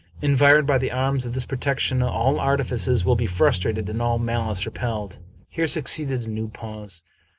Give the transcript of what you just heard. Environed by the arms of this protection, all artifices will be frustrated and all malice repelled." Here succeeded a new pause.